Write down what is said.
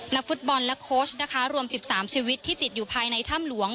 ฟุตบอลและโค้ชนะคะรวม๑๓ชีวิตที่ติดอยู่ภายในถ้ำหลวง